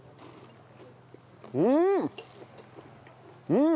うん！